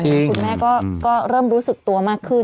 คุณแม่ก็เริ่มรู้สึกตัวมากขึ้น